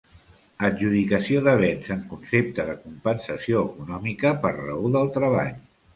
Adjudicació de béns en concepte de compensació econòmica per raó del treball.